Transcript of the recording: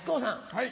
はい。